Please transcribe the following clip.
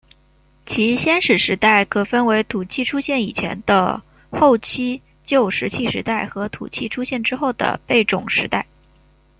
其先史时代可分为土器出现以前的后期旧石器时代和土器出现之后的贝冢时代。